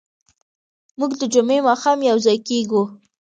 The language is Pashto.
موږ د جمعې ماښام یوځای کېږو.